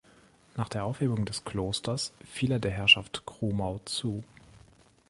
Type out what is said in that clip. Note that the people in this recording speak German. Nach der Aufhebung des Klosters fiel er der Herrschaft Krumau zu.